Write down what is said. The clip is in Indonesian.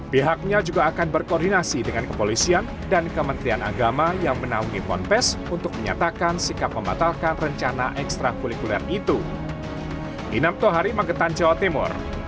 pihaknya juga akan berkoordinasi dengan kepolisian dan kementerian agama yang menaungi ponpes untuk menyatakan sikap membatalkan rencana ekstra kulikuler itu